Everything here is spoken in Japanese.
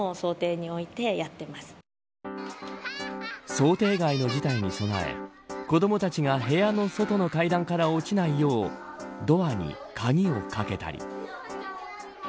想定外の事態に備え子どもたちが部屋の外の階段から落ちないようドアに鍵をかけたり。